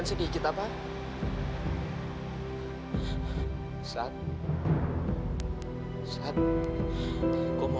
terima kasih dewi buat gue